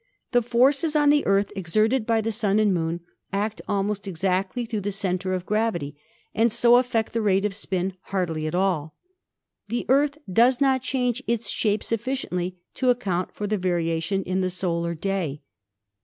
The forces on the Earth exerted by the Sun and Moon act almost exactly through the center of gravity and so affect the rate of spin hardly at all. The Earth does not change its shape suffi ciently to account for the variation in the solar day.